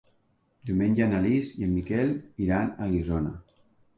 Diumenge na Lis i en Miquel iran a Guissona.